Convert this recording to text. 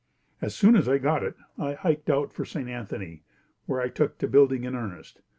As soon as I got it, I hiked out for St. Anthony, where I took to building in earnest.